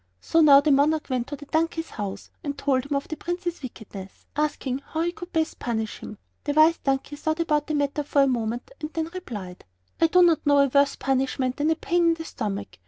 So now the monarch went to the donkey's house and told him of the Prince's wickedness, asking how he could best punish him. The Wise Donkey thought about the matter for a moment and then replied: "I do not know a worse punishment than a pain in the stomach.